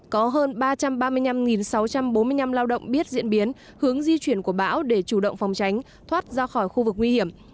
có hơn ba trăm ba mươi năm sáu trăm bốn mươi năm lao động biết diễn biến hướng di chuyển của bão để chủ động phòng tránh thoát ra khỏi khu vực nguy hiểm